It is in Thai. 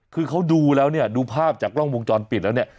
คือเขาดูแล้วเนี่ยดูภาพจากกล้องวงจรปิดแล้วเนี่ย